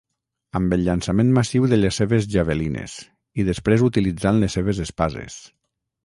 Amb el llançament massiu de les seves javelines, i després utilitzant les seves espases.